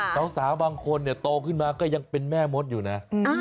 สาวบางคนเนี่ยโตขึ้นมาก็ยังเป็นแม่มดอยู่นะ